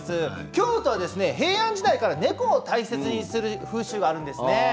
京都は平安時代から猫を大切にする風習があるんですね。